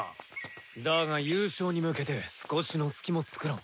だが優勝に向けて少しのスキも作らん。